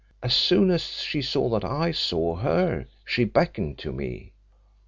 As soon as she saw that I saw her she beckoned to me.